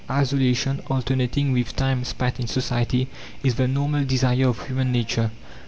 Isolation, alternating with time spent in society, is the normal desire of human nature.